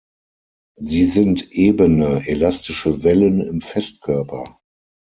Sie sind ebene elastische Wellen im Festkörper.